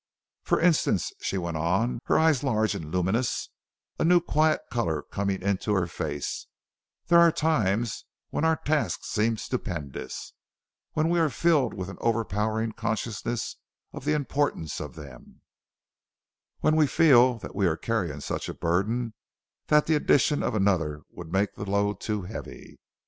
"For instance," she went on, her eyes large and luminous, a new, quiet color coming into her face "there are times when our tasks seem stupendous, when we are filled with an overpowering consciousness of the importance of them; when we feel that we are carrying such a burden that the addition of another would make the load too heavy.